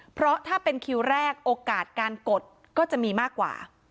เพราะถ้าเป็นคิวแรกโอกาสการกดก็จะมีมากกว่า